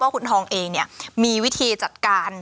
ว่าคุณทองเองเนี่ยมีวิธีจัดการ